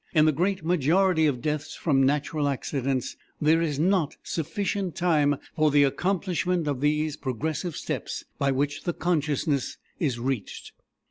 In the great majority of deaths from natural accidents there is not sufficient time for the accomplishment of these progressive steps by which the consciousness is reached.